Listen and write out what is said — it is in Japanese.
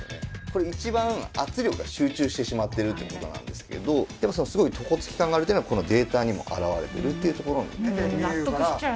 これ一番圧力が集中してしまっているという事なんですけどすごい床つき感があるっていうのはこのデータにも表れてるっていうところ。